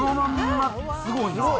すごいな。